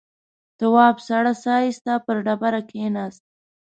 تواب سړه سا ایسته پر ډبره کېناست.